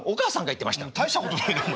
うん大したことないな。